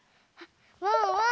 ワンワーン